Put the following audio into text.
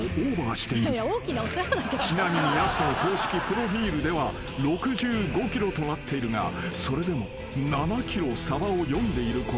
［ちなみにやす子の公式プロフィルでは６５ｋｇとなっているがそれでも７ｋｇさばを読んでいることに］